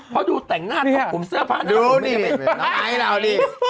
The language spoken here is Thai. พอดูแต่งหน้าของผมสือผ้านาวผมไม่ไหวไปดูดีน้องไอด์เราดี